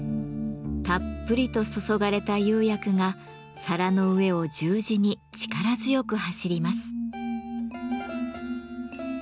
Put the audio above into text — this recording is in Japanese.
たっぷりと注がれた釉薬が皿の上を十字に力強く走ります。